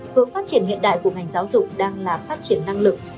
hướng phát triển hiện đại của ngành giáo dục đang là phát triển năng lực